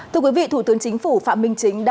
thưa quý vị thủ tướng chính phủ phạm minh chính đã